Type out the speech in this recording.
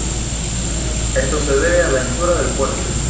Esto se debe a la anchura del cuerpo.